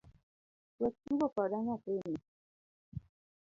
Wek tugo koda nyathini